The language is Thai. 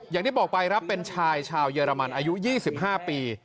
อย่างที่บอกไปครับเป็นชายชาวเยอรมันอายุ๒๕ปี